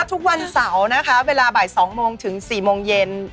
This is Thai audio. ทุกวันเสาร์นะคะเวลาบ่าย๒โมงถึง๔โมงเย็น